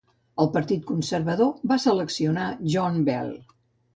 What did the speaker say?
El Partit Conservador va seleccionar John Bell.